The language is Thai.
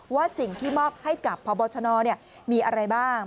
ว่าสิ่งที่มอบให้กับพบชนมีอะไรบ้าง